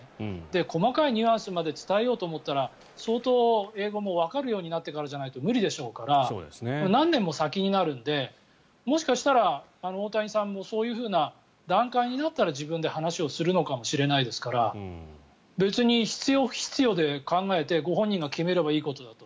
細かいニュアンスまで伝えようと思ったら相当、英語もわかるようになってからじゃないと無理でしょうから何年も先になるのでもしかしたら大谷さんもそういうふうな段階になったら自分で話をするのかもしれないですから別に必要、不必要で考えてご本人が決めればいいことだと